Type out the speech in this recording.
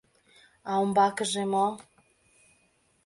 А умбакыже мо?